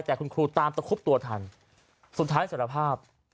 แต่คุณครูตามตะคุบตัวทันสุดท้ายสารภาพ